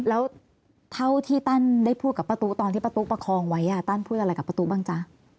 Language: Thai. แล้วเท่าที่ตั้นได้พูดกับป้าตู้ตอนที่ป้าตุ๊กประคองไว้ตั้นพูดอะไรกับป้าตู้บ้างจ๊ะ